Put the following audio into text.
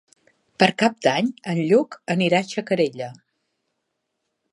Per Cap d'Any en Lluc anirà a Xacarella.